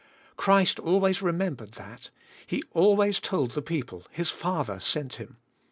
Christ always remembered that. He always told the people His Father sent Him.